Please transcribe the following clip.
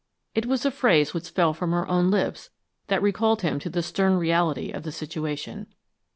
It was a phrase which fell from her own lips that recalled him to the stern reality of the situation.